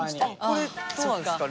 これどうなんですか？